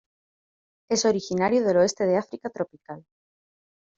Es originario del oeste de África tropical.